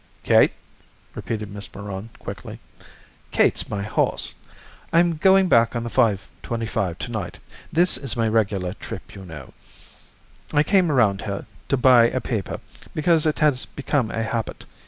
"Kate?" repeated Miss Meron, quickly. "Kate's my horse. I'm going back on the 5:25 to night. This is my regular trip, you know. I came around here to buy a paper, because it has become a habit.